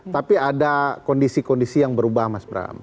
tapi ada kondisi kondisi yang berubah mas bram